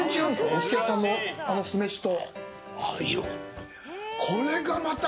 お寿司屋さんの酢飯と。